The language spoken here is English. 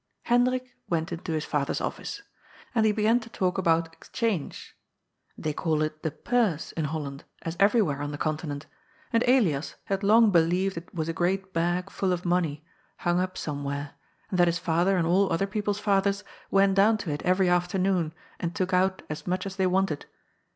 Hendrik went into his father's office. And he began to talk about " 'Change." They call it the " Purse" in Hol land, as everywhere on the Continent, and Elias had long believed that it was a great bag full of money, hung up somewhere, and that his father and all other people's fathers went down to it every afternoon and took out as much as they wanted.